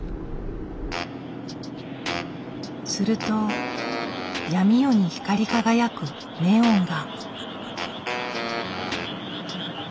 すると闇夜に光り輝くネオンが。